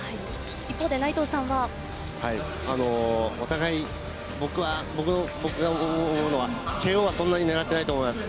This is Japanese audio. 一方で内藤さんは？お互い、僕は僕が思うのはＫＯはそんなに狙ってないと思います。